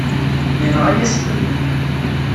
Yenɣa-yas-ten.